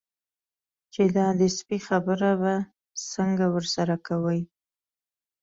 چې دا د سپي خبره به څنګه ورسره کوي.